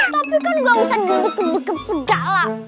tapi kan gak usah ngebuk ngebuk segala